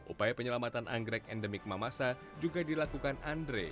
upaya penyelamatan anggrek endemik mamasa juga dilakukan andre